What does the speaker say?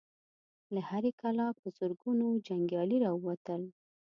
له هرې کلا په زرګونو جنګيالي را ووتل.